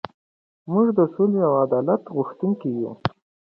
موږ د سولې او عدالت غوښتونکي یو.